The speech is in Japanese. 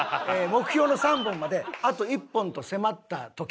目標の３本まであと１本と迫った時。